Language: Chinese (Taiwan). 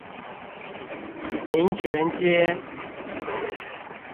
民權街